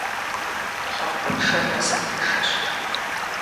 Лъэпкъыншэр насыпыншэщ.